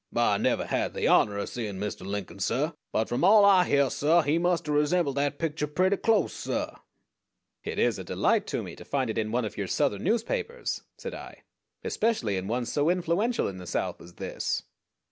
"I never had the honah of seein' Mistuh Lincoln, suh; but from all I hyear, suh, he must have resembled that picture pretty close, suh." "It is a delight to me to find it in one of your Southern newspapers," said I, "especially in one so influential in the South as this."